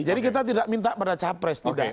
jadi kita tidak minta pada capres tidak